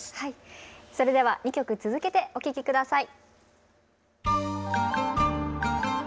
それでは２曲続けてお聴き下さい。